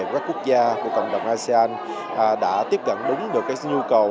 của các quốc gia của cộng đồng asean đã tiếp cận đúng được cái nhu cầu